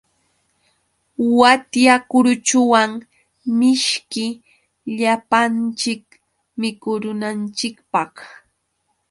Watyakuruchuwan mishki llapanchik mikurunanchikpaq.